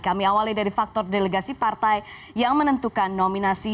kami awali dari faktor delegasi partai yang menentukan nominasi